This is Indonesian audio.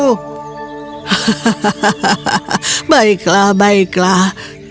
oh baiklah baiklah